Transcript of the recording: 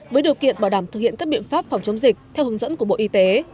với điều kiện bảo đảm thực hiện các biện pháp phòng chống dịch theo hướng dẫn của bộ y tế